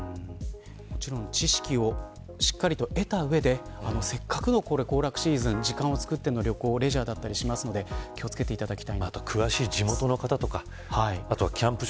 もちろん知識をしっかりと得た上でせっかくの行楽シーズン時間をつくっての旅行やレジャーなので気を付けていただきたいです。